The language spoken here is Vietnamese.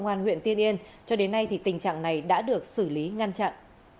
công an huyện tiên yên cho đến nay thì tình trạng này đã được xử lý ngăn chặn